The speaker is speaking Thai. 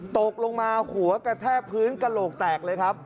ตกลงมาหัวกระแทกพื้นกระโหลกแตกเลยครับ